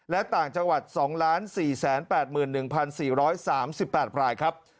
และต่างจังหวัด๒๔๘๑๔๓๘รายครับ